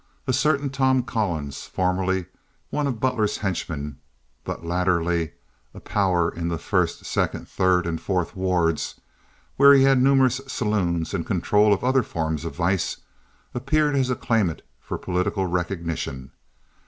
A certain Tom Collins, formerly one of Butler's henchmen, but latterly a power in the First, Second, Third, and Fourth Wards, where he had numerous saloons and control of other forms of vice, appeared as a claimant for political recognition.